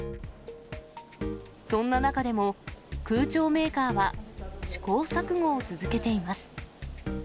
そんな中でも空調メーカーは試行錯誤を続けています。